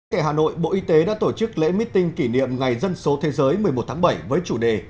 tại hà nội bộ y tế đã tổ chức lễ meeting kỷ niệm ngày dân số thế giới một mươi một tháng bảy với chủ đề